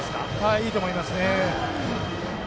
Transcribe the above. いいと思います。